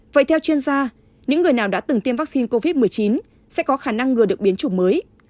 vậy theo chuyên gia những người nào đã từng tiêm vaccine covid một mươi chín sẽ có khả năng ngừa được biến chủng mới